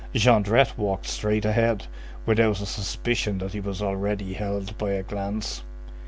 Jondrette walked straight ahead, without a suspicion that he was already held by a glance.